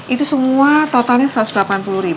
itu semua totalnya rp satu ratus delapan puluh